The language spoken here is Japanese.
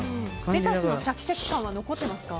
レタスのシャキシャキ感は残ってますか？